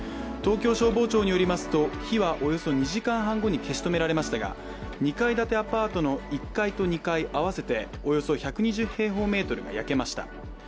東京消防庁によりますと、火はおよそ２時間半後に消し止められましたが、２階建てアパートの１階と２階合わせておよそ１２０平方メートルが焼けました。